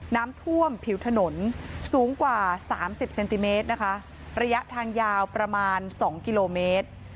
น้ำท่วมผิวถนนสูงกว่าสามสิบเซนติเมตรนะคะระยะทางยาวประมาณสองกิโลเมตร